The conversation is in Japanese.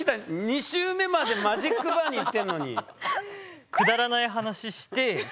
２周目までマジックバーに行ってんのに。